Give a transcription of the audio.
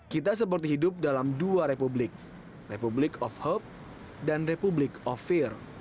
kita seperti hidup dalam dua republik republik of hope dan republik of fear